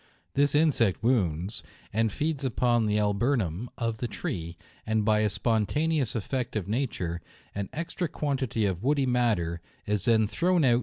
This insect wounds, and feeds upon the alburnum of the tree, and by a spontaneous effort of nature, an extra quantity of woody matter is then thrown out.